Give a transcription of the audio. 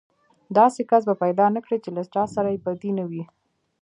داسې کس به پيدا نه کړې چې له چا سره يې بدي نه وي.